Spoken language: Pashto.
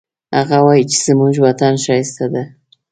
هغه وایي چې زموږ وطن ښایسته ده